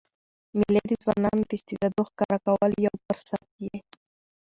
مېلې د ځوانانو د استعدادو ښکاره کولو یو فرصت يي.